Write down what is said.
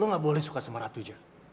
lo nggak boleh suka sama ratu aja